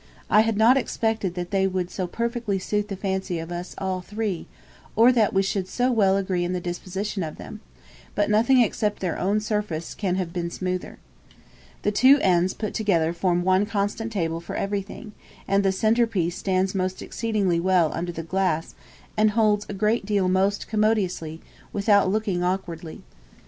I had not expected that they would so perfectly suit the fancy of us all three, or that we should so well agree in the disposition of them; but nothing except their own surface can have been smoother. The two ends put together form one constant table for everything, and the centre piece stands exceedingly well under the glass, and holds a great deal most commodiously, without looking awkwardly.